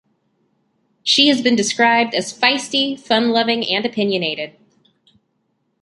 She has been described as feisty, fun-loving, and opinionated.